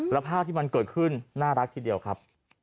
แล้วภาพที่มันเกิดขึ้นน่ารักทีเดียวครับ